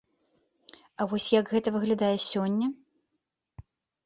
А вось як гэта выглядае сёння?